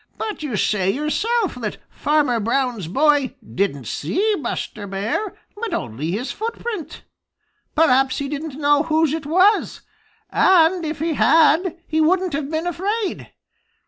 "But you say yourself that Farmer Brown's boy didn't see Buster Bear, but only his footprint. Perhaps he didn't know whose it was, and if he had he wouldn't have been afraid.